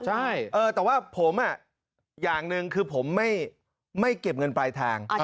ใช่แต่ว่าผมอย่างหนึ่งคือผมไม่เก็บเงินปลายทาง